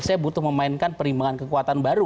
saya butuh memainkan perimbangan kekuatan baru